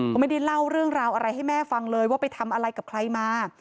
ก็ไม่ได้เล่าเรื่องราวอะไรให้แม่ฟังเลยว่าไปทำอะไรกับใครมา